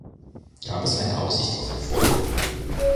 Gab es eine Aussicht auf Erfolg?